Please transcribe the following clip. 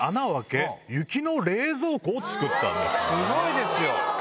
すごいですよ！